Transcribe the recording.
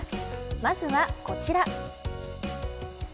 まずはこちら。